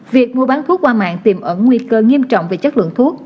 việc mua bán thuốc qua mạng tìm ẩn nguy cơ nghiêm trọng về chất lượng thuốc